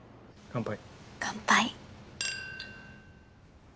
乾杯。